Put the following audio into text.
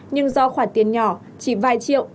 nhưng do khoản tiền nhỏ chỉ vài triệu